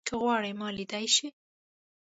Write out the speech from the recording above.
که غواړې ما ليدای شې